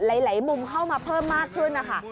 หลายมุมเข้ามาเพิ่มมากขึ้นนะคะ